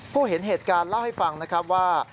เห็นเหตุการณ์เล่าให้ฟังนะครับว่า